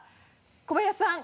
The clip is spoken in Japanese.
小林さん